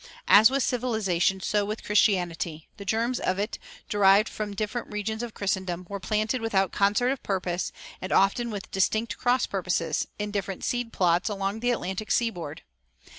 As with civilization so with Christianity: the germs of it, derived from different regions of Christendom, were planted without concert of purpose, and often with distinct cross purposes, in different seed plots along the Atlantic seaboard.